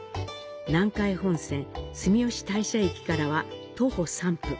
南海本線住吉大社駅からは徒歩３分。